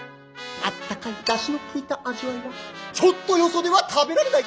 あったかい出汁のきいた味わいはちょっとよそでは食べられない！